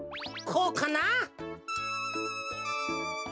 こうかな？